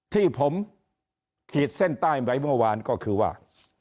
ที่ผมขีดเส้นใต้ไว้เมื่อวานก็คือว่า